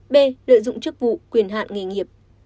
b lợi dụng chức vụ quyền hạn nghề nghiệp